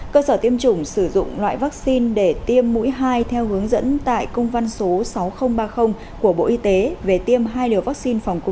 cơ sở tiêm chủng sử dụng loại vaccine để tiêm mũi hai theo hướng dẫn tại công văn số sáu nghìn ba mươi của bộ y tế về tiêm hai liều vaccine phòng covid một mươi